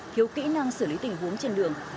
hiếu kỹ năng xử lý tình huống trên đường